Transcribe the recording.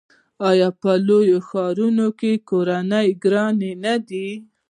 آیا په لویو ښارونو کې کورونه ګران نه دي؟